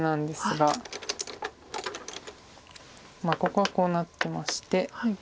ここはこうなってまして。